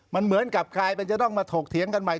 มันเหมือนกับกลายเป็นจะต้องมาถกเถียงกันใหม่